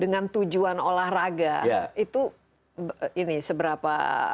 dengan tujuan olahraga itu ini seberapa